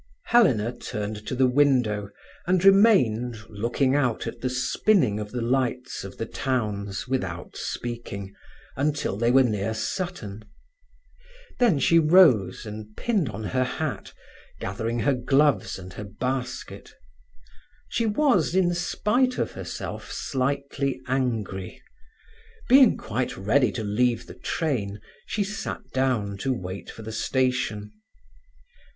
Helena turned to the window, and remained, looking out at the spinning of the lights of the towns without speaking, until they were near Sutton. Then she rose and pinned on her hat, gathering her gloves and her basket. She was, in spite of herself, slightly angry. Being quite ready to leave the train, she sat down to wait for the station.